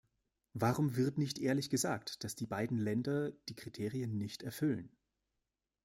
Warum wird nicht ehrlich gesagt, dass die beiden Länder die Kriterien nicht erfüllen?